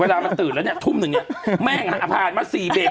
เวลามาตื่นแล้วเนี่ยทุ่มหนึ่งเนี่ย